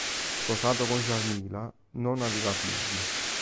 Sposato con Jarmila, non aveva figli.